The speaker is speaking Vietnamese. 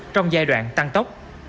trong giai đoạn tăng tốc